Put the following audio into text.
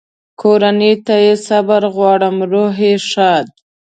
کورنۍ ته یې صبر غواړم، روح یې ښاد.